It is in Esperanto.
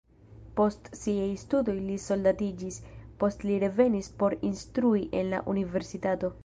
Post siaj studoj li soldatiĝis, poste li revenis por instrui en la universitato.